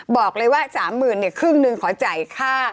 บอกเลยว่า๓๐๐๐เนี่ยครึ่งหนึ่งขอจ่ายค่า